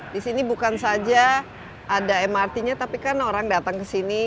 disini bukan saja ada mrt nya tapi kan orang datang kesini